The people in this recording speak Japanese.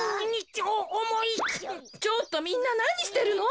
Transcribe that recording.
ちょっとみんななにしてるの？